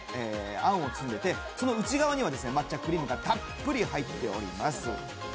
あんを詰めて、その内側には抹茶クリームがたっぷり入っています。